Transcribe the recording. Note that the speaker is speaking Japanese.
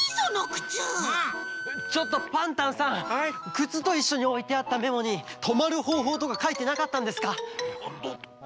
くつといっしょにおいてあったメモにとまるほうほうとかかいてなかったんですか？